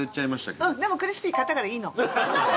でもクリスピー買ったからいいの。